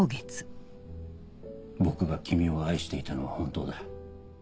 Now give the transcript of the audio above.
僕が君を愛していたのは本当だ。